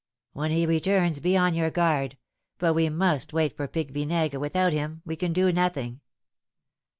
"When he returns be on your guard. But we must wait for Pique Vinaigre, without him we can do nothing."